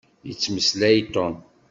Yettmeslay Tom.